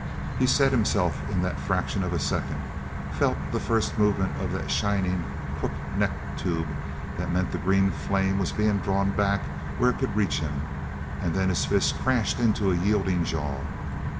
He set himself in that fraction of a second, felt the first movement of that shining, crook necked tube that meant the green flame was being drawn back where it could reach him; then his fist crashed into a yielding jaw.